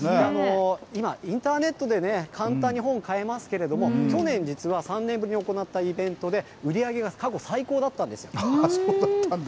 今、インターネットで簡単に本、買えますけれども、去年、実は３年ぶりに行ったイベントで、売り上げが過去最高だったんですそうだったんだ。